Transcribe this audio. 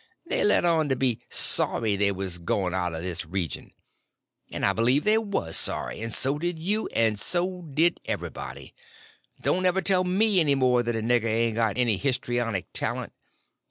They let on to be sorry they was going out of this region! And I believed they was sorry, and so did you, and so did everybody. Don't ever tell me any more that a nigger ain't got any histrionic talent.